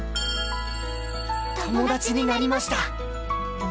友達になりました